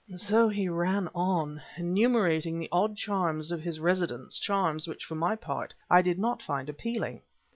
So he ran on, enumerating the odd charms of his residence, charms which for my part I did not find appealing.